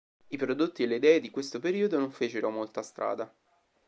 I prodotti e le idee di questo periodo non fecero molta strada.